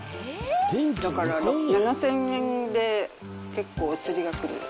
だから７０００円で結構、お釣りが来る。